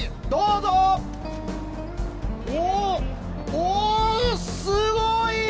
おおすごい！